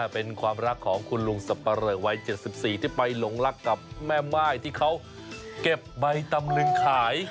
เป็นความรักของคุณลุงสับปะเรอวัย๗๔ที่ไปหลงรักกับแม่ม่ายที่เขาเก็บใบตำลึงขาย